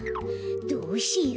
どうしよう？